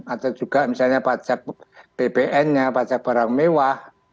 atau juga misalnya pajak bpn nya pajak barang mewah